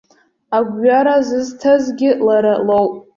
Агәҩара сызҭазгьы лара лоуп.